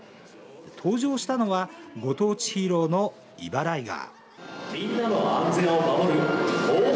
登場したのはご当地ヒーローのイバライガー。